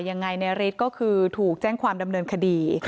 ยังไงในฤทธิ์ก็คือถูกแจ้งความดำเนินคดี